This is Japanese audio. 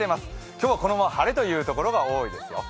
今日はこのまま晴れというところが多いですよ。